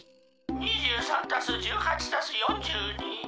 「２３＋１８＋４２」。